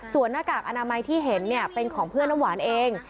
ส่วนหน้ากากอนามัยที่เห็นเป็นของเพื่อนน้ำหวานเอง